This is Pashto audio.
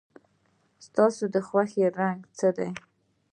ستا د خوښې رنګ څه دی؟